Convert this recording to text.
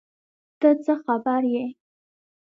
ته څه خبر یې ؟